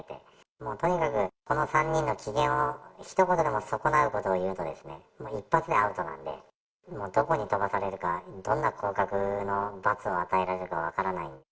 もうとにかくこの３人の機嫌をひと言でも損なうことを言うとですね、一発でアウトなんで、もうどこに飛ばされるか、どんな降格の罰を与えられるか分からない。